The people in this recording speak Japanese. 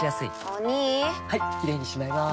お兄はいキレイにしまいます！